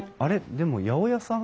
でも八百屋さん。